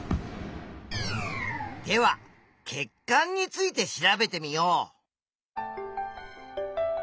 では血管について調べてみよう！